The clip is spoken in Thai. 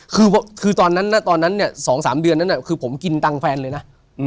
คือตอนนั้นเนี่ย๒๓เดือนนั้นคือผมกินตังค์แฟนเลยนะ